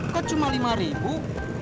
kan tadi sepanjang dong